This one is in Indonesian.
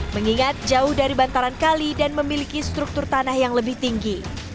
mengingat jauh dari bantaran kali dan memiliki struktur tanah yang lebih tinggi